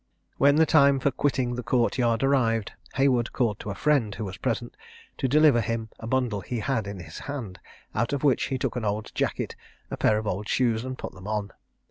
When the time for quitting the court yard arrived, Haywood called to a friend, who was present, to deliver him a bundle he had in his hand, out of which he took an old jacket, and a pair of old shoes, and put them on.